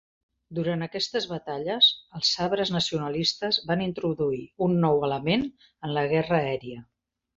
Durant aquestes batalles, els Sabres nacionalistes van introduir un nou element en la guerra aèria.